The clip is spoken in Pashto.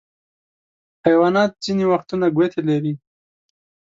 حیوانات ځینې وختونه ګوتې لري.